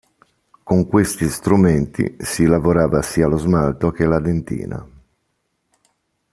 Con questi strumenti si lavorava sia lo smalto che la dentina.